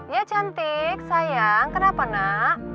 ya cantik sayang kenapa nak